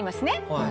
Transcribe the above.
はい。